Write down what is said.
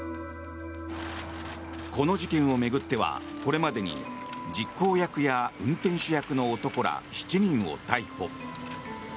この事件を巡ってはこれまでに実行役や運転手役の男ら７人を逮捕。